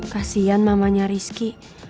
kasian mamanya rizky